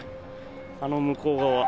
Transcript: あの向こう側。